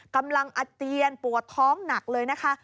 อาเจียนปวดท้องหนักเลยนะคะ